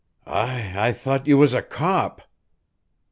"I I thought you was a cop."